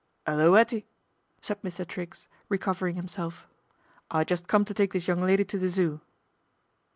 ' 'Ullo, 'Ettie !" said Mr. Triggs, recovering himself. " I just come to take this young lady to the Zoo."